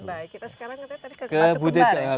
kita sekarang tadi ke batu kembar